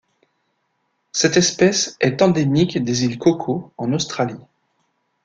Cette espèce est endémique des îles Cocos en Australie.